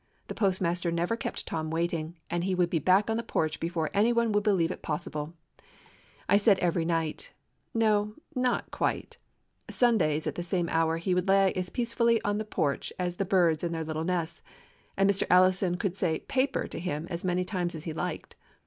The post master never kept Tom waiting, and he would be back on the porch before any one would believe it possible. I said every night — no, not quite*. 240 A DOG OF THE EASTERN STATES Sundays at the same hour he would lie as peacefully on the porch as the birds in their little nests, and Mr. Allison could say "Paper" to him as many times as he liked.